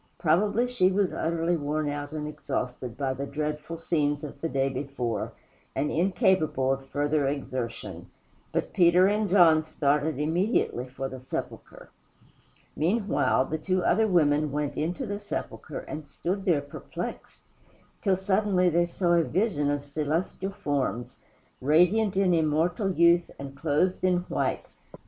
Probably she was utterly worn out and exhausted by the dreadful scenes of the day before, and incapable of further exertion. But Peter and John started immediately for the sepulchre. Meanwhile, the two other women went into the sepulchre and stood there perplexed, till suddenly they saw a vision of celestial forms, radiant in immortal youth and clothed in white.